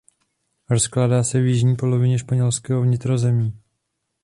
Rozkládá se v jižní polovině španělského vnitrozemí.